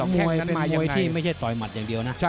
มวยที่ไม่ใช่ต่อมัดอย่างเดียวนะ